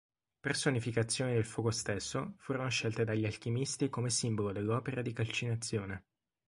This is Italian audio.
Personificazioni del fuoco stesso, furono scelte dagli alchimisti come simbolo dell'opera di calcinazione.